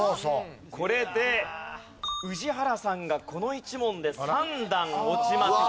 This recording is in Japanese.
これで宇治原さんがこの１問で３段落ちました。